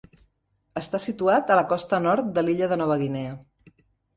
Està situat a la costa nord de l'illa de Nova Guinea.